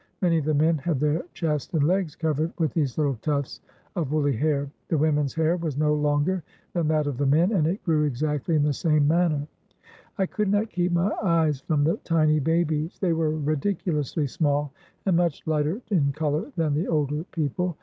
Many of the men had their chest and legs cov ered with these Uttle tufts of woolly hair. The women's hair was no longer than that of the men, and it grew exactly in the same manner. I could not keep my eyes from the tiny babies. They were ridiculously small, and much lighter in color than the older people.